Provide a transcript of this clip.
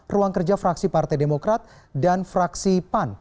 ruang kerja fraksi partai demokrat dan fraksi pan